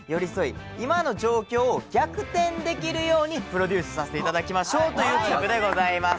今の状況を逆転できるようにプロデュースさせて頂きましょうという企画でございます。